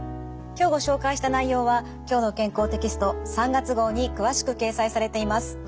今日ご紹介した内容は「きょうの健康」テキスト３月号に詳しく掲載されています。